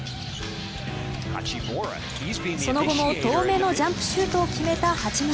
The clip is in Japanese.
その後も遠めのジャンプシュートを決めた八村。